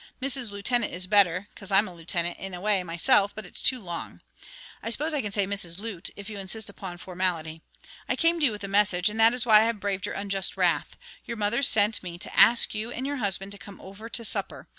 'Mrs. Lieutenant' is better, 'cause I'm a lieutenant, in a way, myself, but it's too long. I suppose I can say 'Mrs. Loot,' if you insist upon formality. I came to you with a message, and that is why I have braved your unjust wrath. Your mother sent me to ask you and your husband to come over to supper.